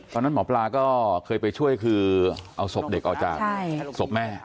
ตอนนั้นหมอปลาก็เคยไปช่วยคือเอาศพเด็กออกจากศพแม่